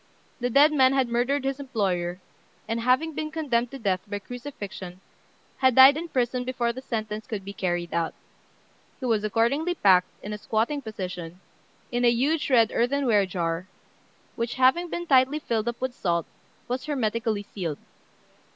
The dead man had murdered his employer, and, having been condemned to death by crucifixion, had died in prison before the sentence could be carried out. He was accordingly packed, in a squatting position, in a huge red earthenware jar, which, having been tightly filled up with. salt, was hermetically sealed.